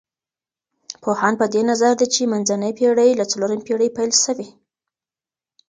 پوهان په دې نظر دي چي منځنۍ پېړۍ له څلورمې پېړۍ پيل سوې.